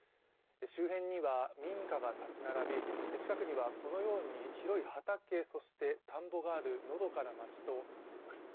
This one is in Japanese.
周辺には民家が立ち並び、近くにはこのように広い畑、田んぼがある、のどかな町となっています。